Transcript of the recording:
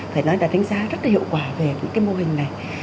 phải nói là đánh giá rất hiệu quả về những mô hình này